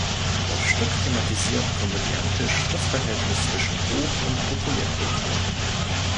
Das Stück thematisiert komödiantisch das Verhältnis zwischen Hoch- und Populärkultur.